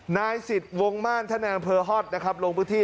นายสิทธิ์วงมาลท่านแด่อำเภอฮอตลงพื้นที่